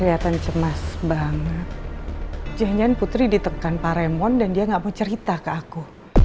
aku harus lindungi pak remon dan dia gak mau cerita ke aku